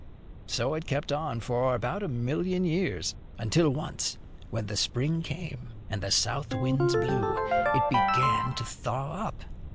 So it kept on for about a million years, until once when the spring came and the south winds blew, it began to thaw up.